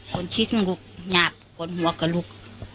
คนขี้ลูกคนหัวกับลูก